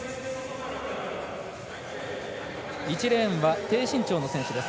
１レーンは低身長の選手です。